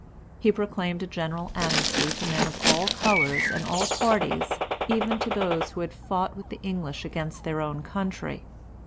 He proclaimed a general amnesty to men of all colors and all parties, even to those who had fought with the English against their own country.